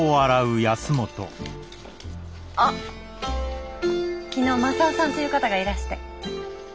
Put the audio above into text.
あっ昨日まさをさんという方がいらして。